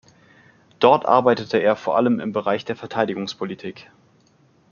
Dort arbeitete er vor allem im Bereich der Verteidigungspolitik.